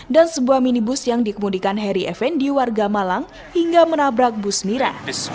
dan sebuah minibus yang dikemudikan harry fn di warga malang hingga menabrak bus mira